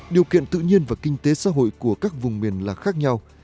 điều kiện tự nhiên và kinh tế xã hội của các vùng miền là khác nhau